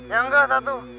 ya enggak satu